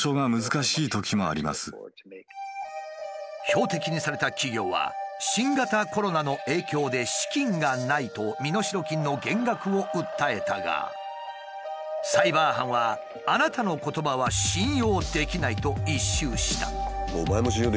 標的にされた企業は「新型コロナの影響で資金がない」と身代金の減額を訴えたがサイバー犯は「あなたの言葉は信用できない」と一蹴した。